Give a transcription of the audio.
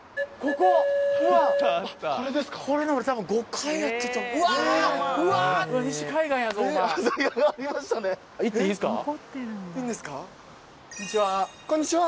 こんにちは。